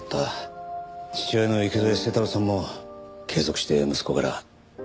父親の池添清太郎さんも継続して息子から。